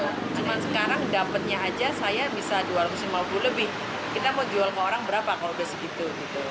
cuma sekarang dapatnya aja saya bisa dua ratus lima puluh lebih kita mau jual ke orang berapa kalau udah segitu gitu